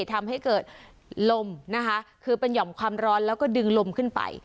ทำให้เกิดลมนะคะคือเป็นห่อมความร้อนแล้วก็ดึงลมขึ้นไป